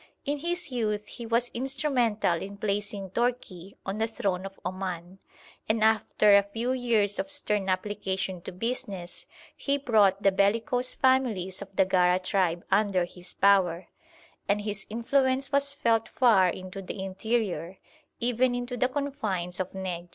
In his youth he was instrumental in placing Tourki on the throne of Oman, and after a few years of stern application to business he brought the bellicose families of the Gara tribe under his power; and his influence was felt far into the interior, even into the confines of Nejd.